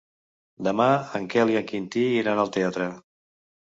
Demà en Quel i en Quintí iran al teatre.